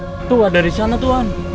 itu ada di sana tuhan